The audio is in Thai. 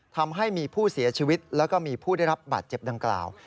ทำให้มีผู้เสียชีวิตแล้วก็มีผู้ได้รับบาดเจ็บดังกล่าว